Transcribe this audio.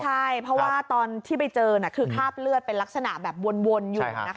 ใช่เพราะว่าตอนที่ไปเจอคือคราบเลือดเป็นลักษณะแบบวนอยู่